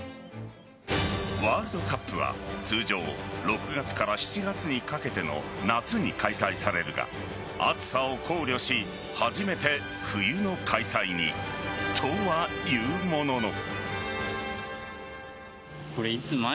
ワールドカップは通常、６月から７月にかけての夏に開催されるが、暑さを考慮し初めて冬の開催に。とはいうものの。